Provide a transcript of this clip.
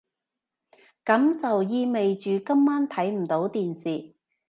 噉就意味住今晚睇唔到電視